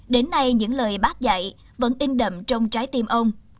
đến nay những lời bác dạy vẫn in đậm trong trái tim ông